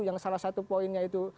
yang salah satu poinnya itu